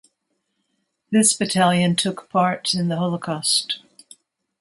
This battalion took part in the Holocaust.